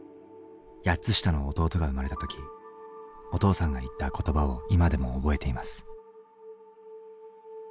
８つ下の弟が生まれた時お父さんが言った言葉を今でも覚えています。